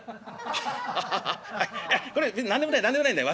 「アッハハハあっいやこれ何でもない何でもないんだよ